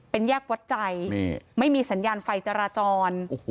เป็นแยกวัดใจไม่มีสัญญาณไฟจราจร